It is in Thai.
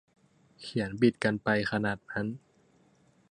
เขียนบิดกันไปขนาดนั้น